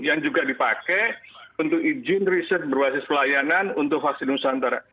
yang juga dipakai untuk izin riset berbasis pelayanan untuk vaksin nusantara